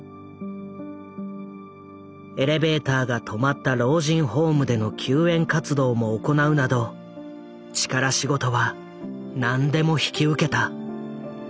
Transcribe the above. エレベーターが止まった老人ホームでの救援活動も行うなど力仕事は何でも引き受けた。